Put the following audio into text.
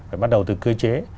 phải bắt đầu từ cơ chế